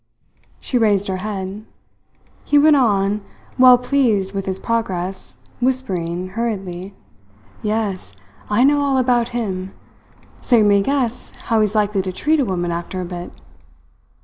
She raised her head. He went on, well pleased with his progress, whispering hurriedly: "Yes. I know all about him. So you may guess how he's likely to treat a woman after a bit!"